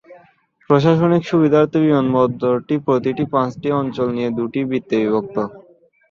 প্রশাসনিক সুবিধার্থে বিমানবন্দরটি প্রতিটি পাঁচটি অঞ্চল নিয়ে দুটি বৃত্তে বিভক্ত।